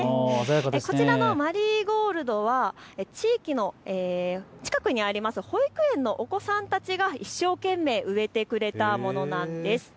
こちらのマリーゴールドは近くにある保育園のお子さんたちが一生懸命、植えてくれたものなんです。